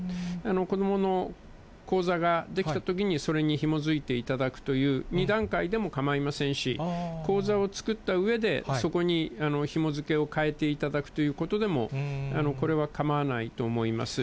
子どもの口座が出来たときに、それにひも付いていただくという、２段階でもかまいませんし、口座を作ったうえで、そこにひも付けを変えていただくということでも、これはかまわないと思います。